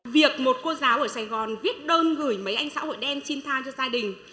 việc một cô giáo ở sài gòn viết đơn gửi mấy anh xã hội đen xin tha cho gia đình